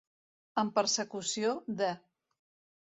En persecució de.